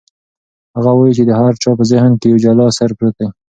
هغه وایي چې د هر چا په ذهن کې یو جلا اثر پروت دی.